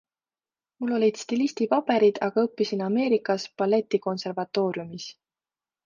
Mul olid stilistipaberid, aga õppisin Ameerikas balletikonservatooriumis.